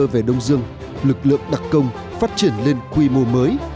về đông dương lực lượng đặc công phát triển lên quy mô mới